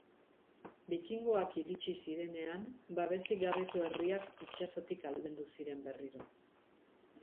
Bikingoak iritsi zirenean, babesik gabeko herriak itsasotik aldendu ziren berriro.